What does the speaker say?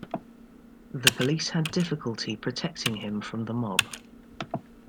The police had difficulty protecting him from the mob.